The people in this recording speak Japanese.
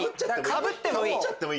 かぶってもいい！